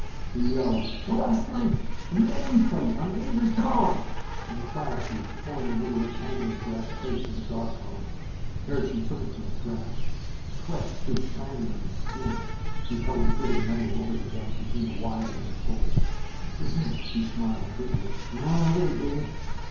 he yelled. "The last link. The nameplate on Major's collar!" In a flash, he had torn the little rectangular brass plate from the dog collar. Erickson took it from his grasp. Sweat stood shiny on his skin. He held the bit of metal over the gap between wire and pole. "This is it!" he smiled brittlely. "We're on our way, Dave.